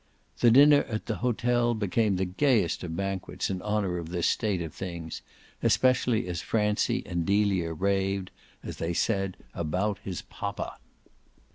The dinner at the hotel became the gayest of banquets in honour of this state of things, especially as Francie and Delia raved, as they said, about his poppa.